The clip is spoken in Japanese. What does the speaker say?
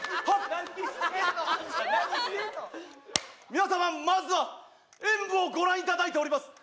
皆様まずは演舞をご覧いただいております